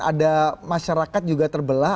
ada masyarakat juga terbelah